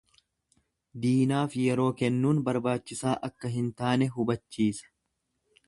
Diinaaf yeroo kennuun barbaachisaa akka hin taane hubachiisa.